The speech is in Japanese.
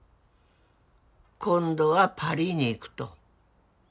今度はパリに行くと？